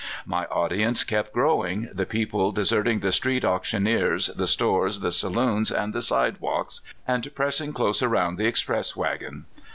My audience kept growing, the people deserting the street auctioneers, the stores, the saloons, and the sidewalks, and press ing close around the express wagon.